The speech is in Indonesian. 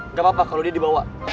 nggak apa apa kalau dia dibawa